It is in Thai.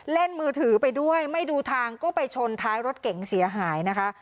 มือถือไปด้วยไม่ดูทางก็ไปชนท้ายรถเก๋งเสียหายนะคะ